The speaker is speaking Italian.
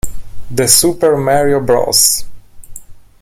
The Super Mario Bros.